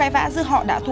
bách bệnh à